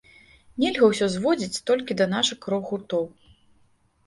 Нельга ўсё зводзіць толькі да нашых рок-гуртоў.